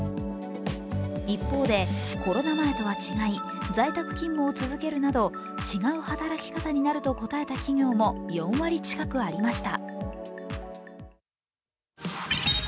一方で、コロナ前とは違い在宅勤務を続けるなど違う働き方になると答えた企業も４割近くありました。